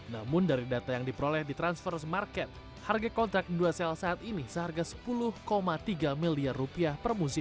namun dari data yang diperoleh di transfers market harga kontrak dua sel saat ini seharga sepuluh tiga miliar rupiah